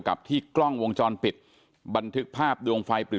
กับที่กล้องวงจรปิดบันทึกภาพดวงไฟปริศ